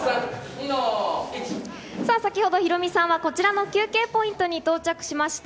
さあ、先ほどヒロミさんはこちらの休憩ポイントに到着しました。